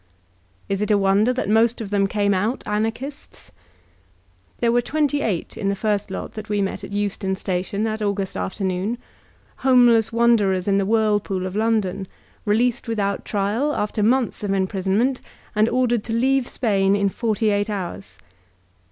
'' Is it a wonder that most of them came out Anarchists? There were twenty eight in the first lot that we met at Euston Station that August afternoon, — ^home less wanderers in the whirlpool of London, released with out trial after months of imprisonment, and ordered to leave Spain in forty eight hours